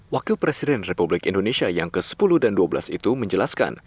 wakil presiden republik indonesia yang ke sepuluh dan ke dua belas itu menjelaskan